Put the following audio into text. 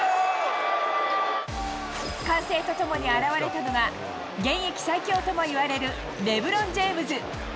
歓声とともに現れたのが、現役最強ともいわれるレブロン・ジェームズ。